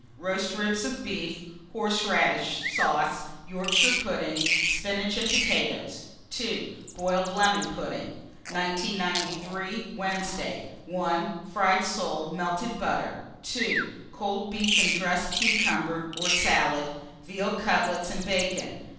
Roast ribs of beef, horseradish sauce, Yorkshire pudding, spinach and potatoes. 2. Boiled lemon pudding. 1993. Wednesday. 1. Fried soles, melted butter. 2. Cold beef and dressed cucumber or salad, veal cutlets and bacon.